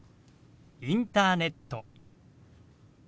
「インターネット」。